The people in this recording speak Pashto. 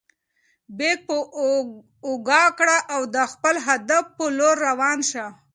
بیک په اوږه کړه او د خپل هدف په لور روان شه.